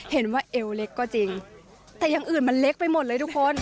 เอวเล็กก็จริงแต่อย่างอื่นมันเล็กไปหมดเลยทุกคน